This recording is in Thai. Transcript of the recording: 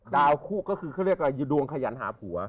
ดาวขู้ก็คือดวงขยันหาผัว